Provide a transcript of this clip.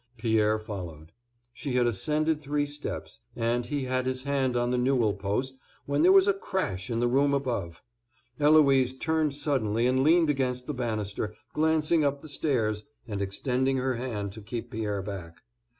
Pierre followed. She had ascended three steps, and he had his hand on the newel post, when there was a crash in the room above. Eloise turned suddenly and leaned against the banister, glancing up the stairs, and extending her hand to keep Pierre back.